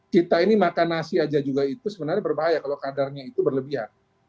kita ini makan nasi aja juga itu sebenarnya berbahaya kalau kadarnya itu berlebihan